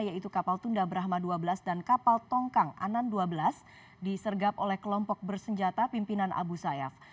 yaitu kapal tunda brahma dua belas dan kapal tongkang anan dua belas disergap oleh kelompok bersenjata pimpinan abu sayyaf